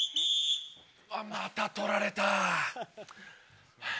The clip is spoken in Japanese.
また取られたハァ。